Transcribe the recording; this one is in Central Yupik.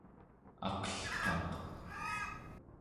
aqelqaq